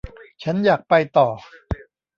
ฉันอยากไปต่อ